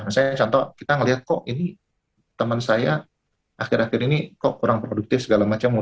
misalnya contoh kita ngelihat kok ini teman saya akhir akhir ini kok kurang produktif segala macam